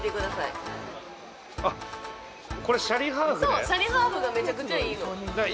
そうシャリハーフがめちゃくちゃいいの